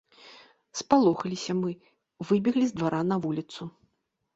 Спалохаліся мы, выбеглі з двара на вуліцу.